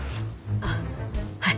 あっはい。